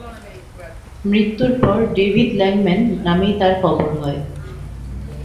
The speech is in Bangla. মৃত্যুর পর ডেভিড ল্যাংম্যান নামেই তাঁর কবর হয়।